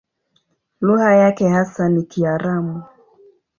Lugha yake hasa ni Kiaramu.